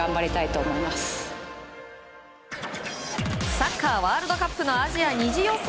サッカーワールドカップのアジア２次予選。